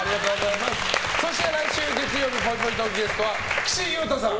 そして、来週月曜日ぽいぽいトークのゲストは岸優太さん。